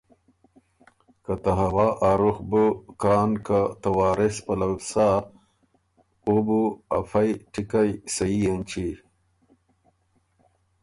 که ته هوا ا رُخ بُو کان ته وارث خان پلؤ سۀ، او بُو ا فئ ټیکئ سھي اېنچی